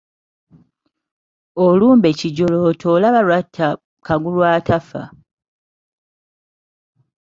Olumbe kijjolooto olaba lwatta Kagulu atafa!